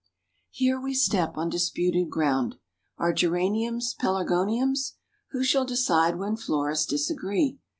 Here we step on disputed ground. Are Geraniums Pelargoniums? Who shall decide when florists disagree?